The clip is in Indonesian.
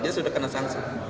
dia sudah kena sangsi